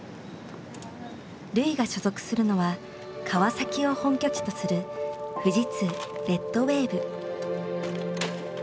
瑠唯が所属するのは川崎を本拠地とする富士通レッドウェーブ。